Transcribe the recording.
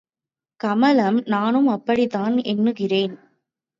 கமலம் நானும் அப்படித்தான் எண்ணுகிறேன்.